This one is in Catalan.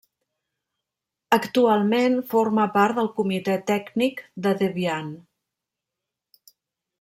Actualment, forma part del comitè tècnic de Debian.